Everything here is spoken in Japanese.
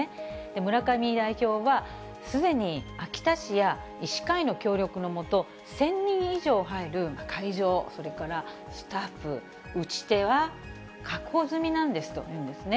村上代表は、すでに秋田市や医師会の協力の下、１０００人以上入る会場、それからスタッフ、打ち手は確保済みなんですというんですね。